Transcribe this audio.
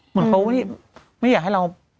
เหมือนเขาว่าเห้ย